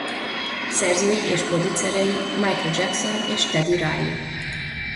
Szerzői és producerei Michael Jackson és Teddy Riley.